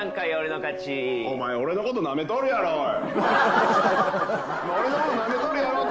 お前俺の事なめとるやろおい。